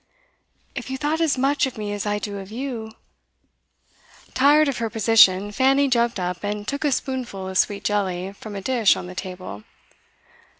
'If you thought as much of me as I do of you ' Tired of her position, Fanny jumped up and took a spoonful of sweet jelly from a dish on the table.